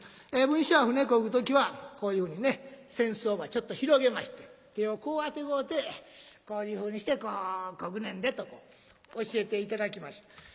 文枝師匠が船こぐ時はこういうふうに扇子をちょっと広げまして手をこうあてごうてこういうふうにしてこぐねんでと教えて頂きました。